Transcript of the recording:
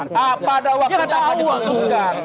apa ada waktu yang akan diputuskan